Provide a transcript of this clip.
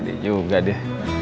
jadi juga dia